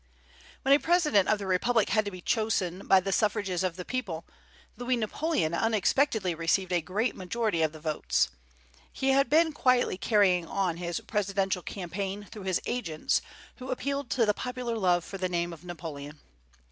When a President of the Republic had to be chosen by the suffrages of the people, Louis Napoleon unexpectedly received a great majority of the votes. He had been quietly carrying on his "presidential campaign" through his agents, who appealed to the popular love for the name of Napoleon.